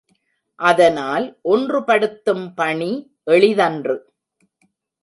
அதனால், ஒன்று படுத்தும் பணி எளிதன்று.